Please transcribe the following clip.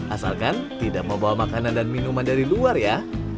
asalkan tidak membawa makanan dan minuman dari luar ya